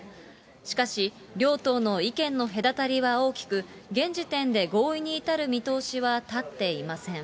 しかし、両党の意見の隔たりは大きく、現時点で合意に至る見通しは立っていません。